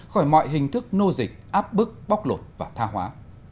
khỏi mọi hình thức nô dịch áp bức bóc lột và tha hóa